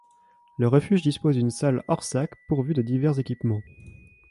Le refuge dispose d'une salle hors-sac pourvue de divers équipements.